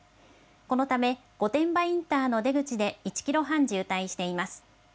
このため御殿場インターの出口で１キロ半渋滞しています。